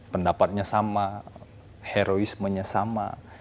pendapatnya sama heroismenya sama